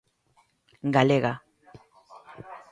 Galega.